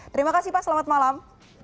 terima kasih pak selamat malam